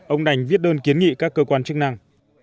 ông đành viết đơn kiến nghị các cơ quan chức năng